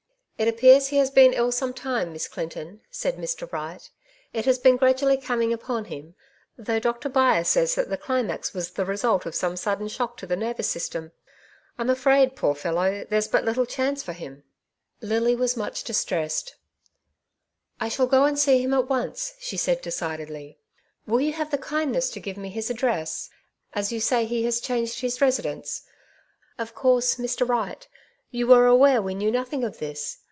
"It appears he has been ill some time. Miss Clinton,^' said Mr. Wright. " It has been gradually coming upon him, though Doctor Byre says that the climax was the result of some sudden shock to the nervous system. I'm afraid, poor fellow, there's but little chance for him." Lily was much distressed. 1? 2IO " Two Sides to every Question J* " I shall go and see him at once,'^ she said de cidedly. *' Will you have the kindness to give me his address? as you say he has changed his residence. Of course, Mr. Wright, you are aware we knew nothing of this..